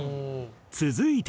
続いて。